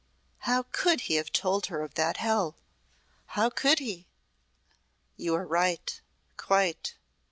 How could he have told her of that hell how could he?" "You are right quite!"